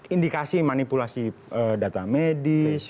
indikasi manipulasi data medis